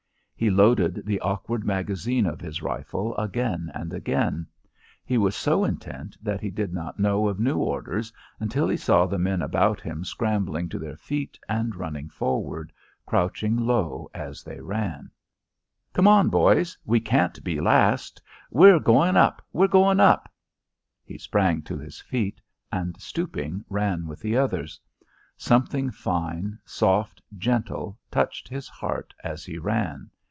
He loaded the awkward magazine of his rifle again and again. He was so intent that he did not know of new orders until he saw the men about him scrambling to their feet and running forward, crouching low as they ran. He heard a shout. "Come on, boys! We can't be last! We're going up! We're going up." He sprang to his feet and, stooping, ran with the others. Something fine, soft, gentle, touched his heart as he ran.